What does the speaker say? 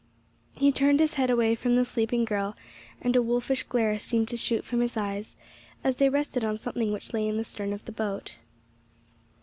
He turned his head away from the sleeping girl, and a wolfish glare seemed to shoot from his eyes as they rested on something which lay in the stern of the boat.